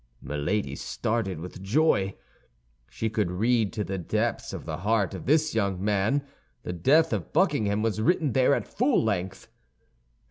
Milady started with joy. She could read to the depths of the heart of this young man; the death of Buckingham was written there at full length.